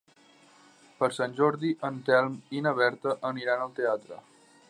Per Sant Jordi en Telm i na Berta aniran al teatre.